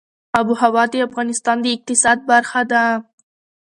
آب وهوا د افغانستان د اقتصاد برخه ده.